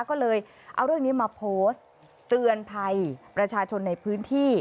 ก็เลยเอาเรื่องนี้มาโพสต์เตือนภัยประชาชนในพื้นที่